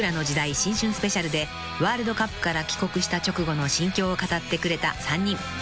スペシャルでワールドカップから帰国した直後の心境を語ってくれた３人］